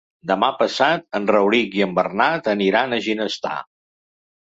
Demà passat en Rauric i en Bernat aniran a Ginestar.